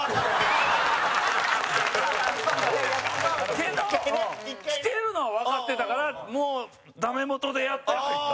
けど、来てるのはわかってたからもう、ダメ元でやって入った。